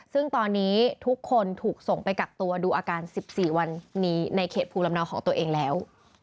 ซึ่งตอนนี้ทุกคนถูกส่งไปกักตัวดูอาการ๑๔วันนี้ในเขตภูมิลำเนาของตัวเองแล้ว